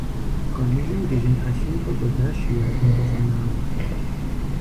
Хъаныжьым дыжьын ӏэлъын фӀэкӀуэдащ и адэм къыщӀэнауэ.